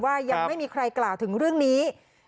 ยังไม่มีใครกล่าวถึงเรื่องนี้